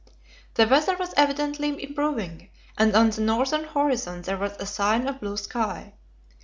The weather was evidently improving, and on the northern horizon there was a sign of blue sky.